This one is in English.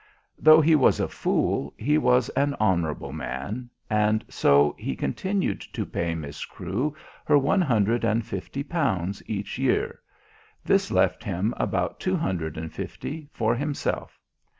Though he was a fool he was an honourable man, and so he continued to pay Miss Crewe her one hundred and fifty pounds each year. This left him about two hundred and fifty for himself.